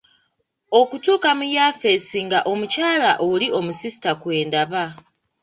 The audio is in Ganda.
Okutuuka mu yafeesi nga omukyala oli omusisita kwe ndaba.